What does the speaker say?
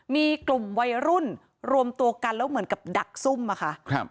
มีกลุ่มวัยรุ่นรวมตัวกันแล้วเหมือนกับดักซุ่มอะค่ะ